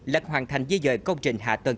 là hoàn thành di dời công trình hạ tầng